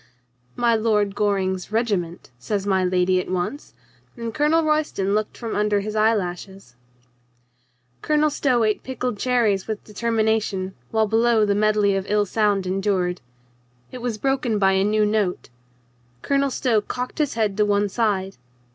"My Lord Goring's regiment," says my lady at once, and Colonel Royston looked from under his eyelashes. Colonel Stow ate pickled cherries with determina tion, while below the medley of ill sound endured. ... It was broken by a new note. Colonel Stow cocked his head to one side.